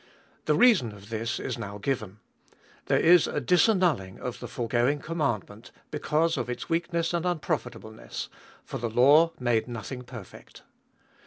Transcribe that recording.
The reason of this is now given. There is a disannulling of the foregoing commandment, be cause of its weakness and unprofitableness, for the law made nothing perfect.